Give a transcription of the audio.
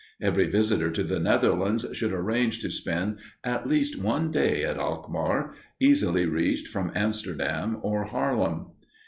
Every visitor to the Netherlands should arrange to spend at least one day at Alkmaar, easily reached from Amsterdam or Haarlem.